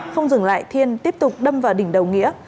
không dừng lại thiên tiếp tục đâm vào đỉnh đầu nghĩa